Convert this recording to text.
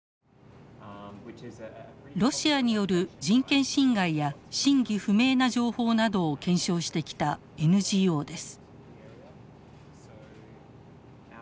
ロシアによる人権侵害や真偽不明な情報などを検証してきたＮＧＯです。